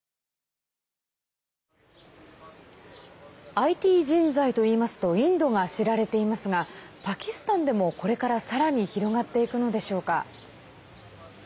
ＩＴ人材というとインドが知られていますがパキスタンでも、これからさらに広がっていくのでしょうか。